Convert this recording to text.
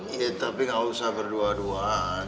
iya tapi nggak usah berdua dua